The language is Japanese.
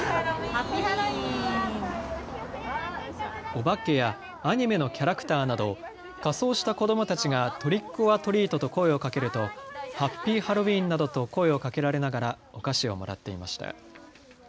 お化けやアニメのキャラクターなど仮装した子どもたちがトリックオアトリートと声をかけるとハッピーハロウィーンなどと声をかけられながらお菓子をもらっていました。